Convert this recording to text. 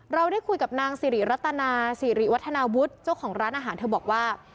เราได้คุยกับนางสิริรัตนาสิริวัฒนาวุฒิเจ้าของร้านอาหารเธอบอกว่า